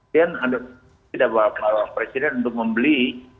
dan anda tidak bawa para presiden untuk membeli